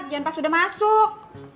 jangan pas udah masuk